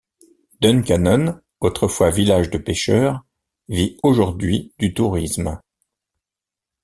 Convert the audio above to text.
Duncannon, autrefois village de pécheurs, vit aujourd'hui du tourisme.